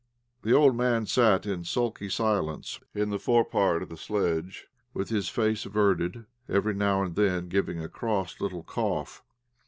The old man sat, in sulky silence, in the forepart of the sledge, with his face averted, every now and then giving a cross little cough.